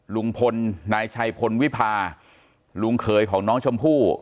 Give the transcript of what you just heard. ลุงพลนายชัยพลวิพาลุงเขยของน้องชมพู่